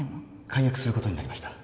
解約することになりました。